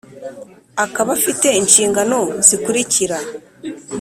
akaba afite inshingano zikurikira: